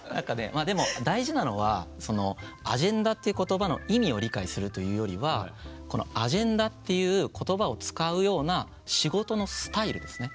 まあでも大事なのはアジェンダっていう言葉の意味を理解するというよりはアジェンダっていう言葉を使うような仕事のスタイルですね